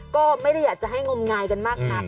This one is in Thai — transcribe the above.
ก็ไม่ได้อยากจะให้งมงายกันมากนัก